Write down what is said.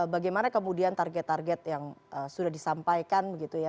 bagaimana kemudian target target yang sudah disampaikan